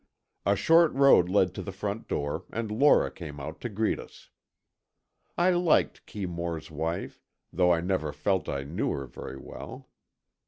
A short road led to the front door and Lora came out to greet us. I liked Kee Moore's wife, though I never felt I knew her very well.